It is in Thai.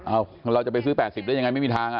เราจะไปซื้อ๘๐ได้ยังไงไม่มีทาง